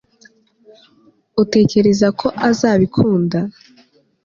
utekereza ko azabikunda